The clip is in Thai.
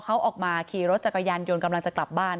เขาออกมาขี่รถจักรยานยนต์กำลังจะกลับบ้าน